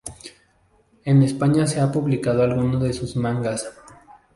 En España se ha publicado algunos de sus mangas.